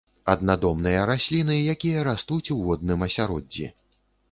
Аднадомныя расліны, якія растуць у водным асяроддзі.